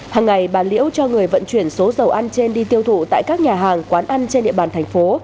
hàng ngày bà liễu cho người vận chuyển số dầu ăn trên đi tiêu thụ tại các nhà hàng quán ăn trên địa bàn thành phố